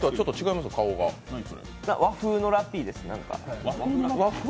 和風のラッピーです、何か。